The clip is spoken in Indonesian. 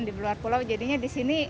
di luar pulau jadinya disini